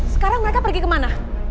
sekarang mereka pergi kemana